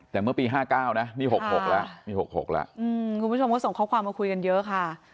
แต่เมื่อปี๕๙มี๖๖แล้วคุณผู้ชมก็ส่งข้อความมาคุยกันเยอะค่ะ